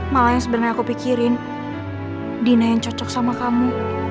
malah yang sebenarnya aku pikirin dina yang cocok sama kamu